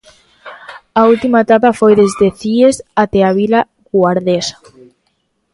A última etapa foi desde Cíes até a vila guardesa.